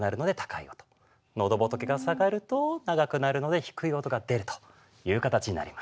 のどぼとけが下がると長くなるので低い音が出るという形になります。